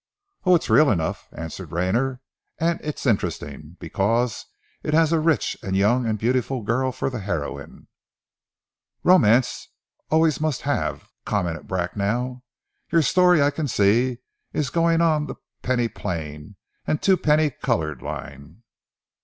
"Oh, it's real enough," answered Rayner, "and it's interesting, because it has a rich and young and beautiful girl for the heroine." "Romance always must have!" commented Bracknell. "Your story, I can see, is going on the penny plain and twopenny coloured line!"